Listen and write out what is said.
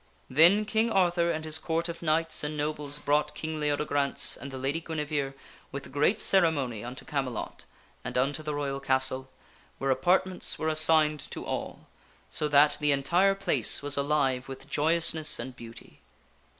Then King Arthur and his Court of Knights and nobles brought King Leodegrance and the Lady Guinevere with great ceremony unto Camelot and unto the royal castle, where apartments were assigned to all, so that the entire place was alive with joyousness and beauty.